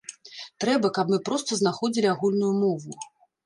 Трэба, каб мы проста знаходзілі агульную мову.